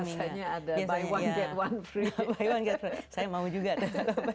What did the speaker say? miming mimingnya biasanya ada buy one get one free